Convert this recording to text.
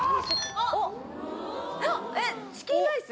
あっえっ「チキンライス」